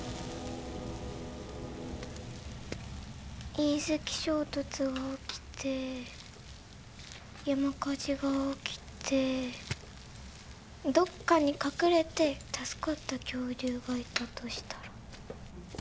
隕石衝突が起きて山火事が起きてどっかに隠れて助かった恐竜がいたとしたら。